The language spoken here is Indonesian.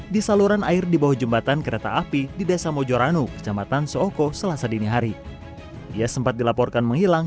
di saluran air di bawah jembatan kereta api di desa mojoranu kecamatan soekarno